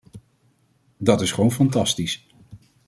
Dat is gewoon fantastisch.